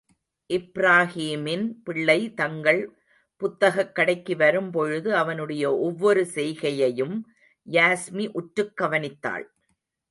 இப்ராஹீமின் பிள்ளை தங்கள், புத்தகக் கடைக்கு வரும்பொழுது அவனுடைய ஒவ்வொரு செய்கையையும், யாஸ்மி, உற்றுக் கவனித்தாள்.